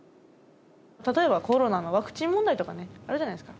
例えばコロナのワクチン問題とかねあるじゃないですか